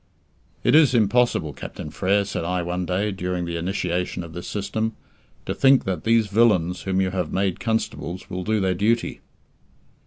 "It is impossible, Captain Frere," said I one day, during the initiation of this system, "to think that these villains whom you have made constables will do their duty."